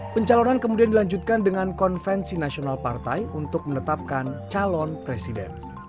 pencalonan kemudian dilanjutkan dengan konvensi nasional partai untuk menetapkan calon presiden